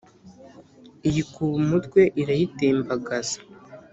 Iyikuba umutwe irayitembagaza